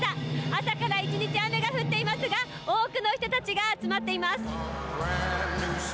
朝から１日、雨が降っていますが多くの人たちが集まっています。